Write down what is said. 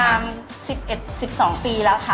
ร้านที่๑๑๑๒ปีแล้วค่ะ